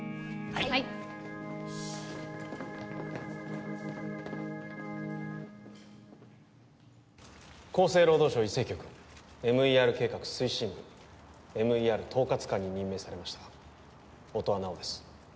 はい厚生労働省医政局ＭＥＲ計画推進部ＭＥＲ統括官に任命されました音羽尚です